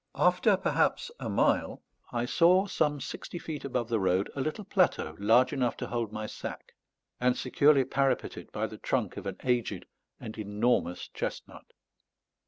After perhaps a mile, I saw, some sixty feet above the road, a little plateau large enough to hold my sack, and securely parapeted by the trunk of an aged and enormous chestnut.